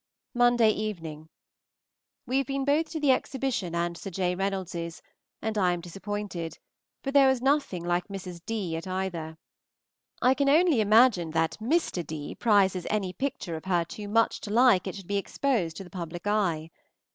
Monday Evening. We have been both to the exhibition and Sir J. Reynolds's, and I am disappointed, for there was nothing like Mrs. D. at either. I can only imagine that Mr. D. prizes any picture of her too much to like it should be exposed to the public eye.